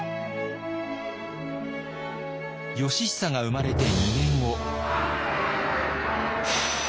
義尚が生まれて２年後。